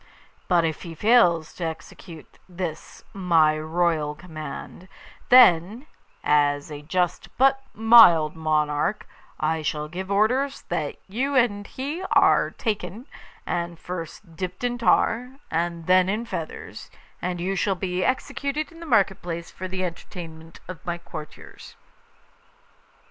But if he fails to execute this my royal command, then, as a just but mild monarch, I shall give orders that you and he are taken, and first dipped in tar and then in feathers, and you shall be executed in the market place for the entertainment of my courtiers.